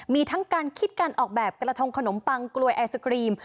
มีทั้งการคิดการออกแบบกระทงขนมปังกลวยไอศครีม